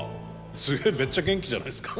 すげえめっちゃ元気じゃないですか。